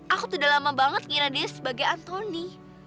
aku tuh udah lama banget ngira dia sebagai antoni